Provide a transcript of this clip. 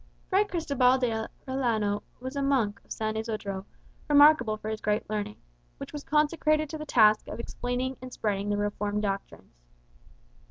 Fray Cristobal D'Arellano was a monk of San Isodro, remarkable for his great learning, which was consecrated to the task of explaining and spreading the Reformed doctrines.